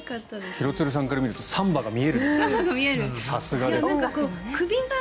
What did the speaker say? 廣津留さんから見るとサンバが見えるんですね。